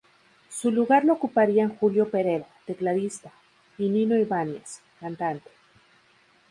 Su lugar lo ocuparían Julio Pereda, tecladista, y Nino Ibáñez, cantante.